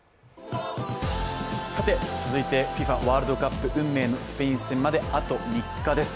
続いて、ＦＩＦＡワールドカップ、運命のスペイン戦まであと３日です。